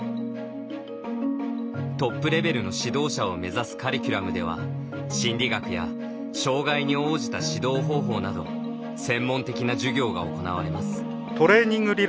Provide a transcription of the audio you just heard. トップレベルの指導者を目指すカリキュラムでは心理学や障がいに応じた指導方法など専門的な授業が行われます。